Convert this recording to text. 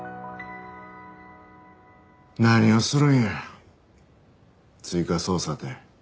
何をするんや追加捜査て。